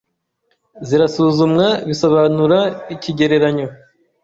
zirasuzumwabisobanura ikigereranyo